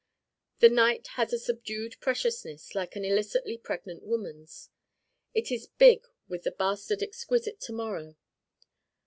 The night has a subdued preciousness, like an illicitly pregnant woman's. It is big with the bastard exquisite To morrow.